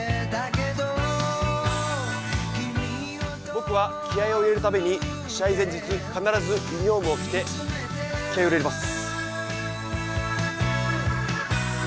僕は気合いを入れるために試合前日、必ずユニフォームを着て気合を入れます。